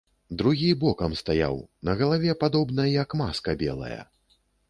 Другі бокам стаяў, на галаве, падобна, як маска белая.